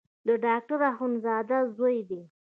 د ډاکټر اخندزاده زوی دی.